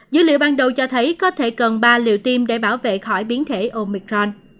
dữ liệu ban đầu cho thấy có thể cần ba liều tiêm để bảo vệ khỏi biến thể omicron